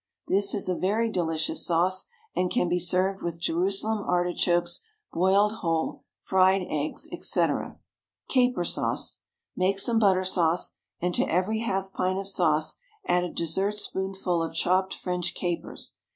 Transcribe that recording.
This is a very delicious sauce, and can be served with Jerusalem artichokes boiled whole, fried eggs, &c. CAPER SAUCE. Make some butter sauce, and to every half pint of sauce add a dessertspoonful of chopped French capers.